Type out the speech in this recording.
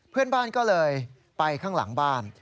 เพื่อนบ้านก็เลยไปข้างหลังบ้าน